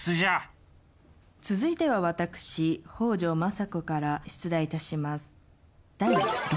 続いては私北条政子から出題致します。